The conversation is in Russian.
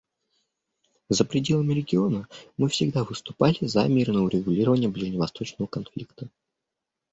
За пределами региона мы всегда выступали за мирное урегулирование ближневосточного конфликта.